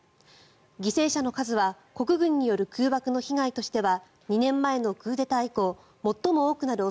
犠牲者の数は国軍による空爆の被害としては